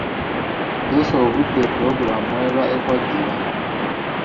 Teesa obudde puloguloomu mw’eba ekwajjira.